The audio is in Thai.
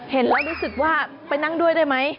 เห็นแล้วรู้สึกว่าไปนั่งด้วยได้ไหม